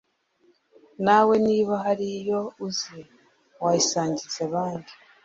Nawe niba hari ayo uzi wayasangiza abandi